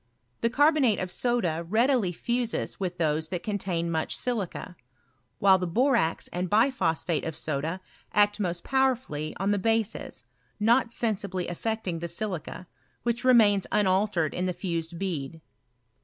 The carbonate of soda readily fuses with those that contain much silica, while the borax and btphosphate of soda act most powerfully on the bases, not sensibly aifecting the siUca, which remains unaltered in the fused bead.